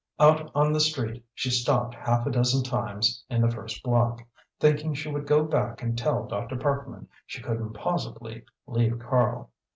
Out on the street she stopped half a dozen times in the first block, thinking she would go back and tell Dr. Parkman she couldn't possibly leave Karl.